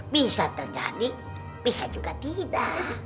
bisa terjadi bisa juga tidak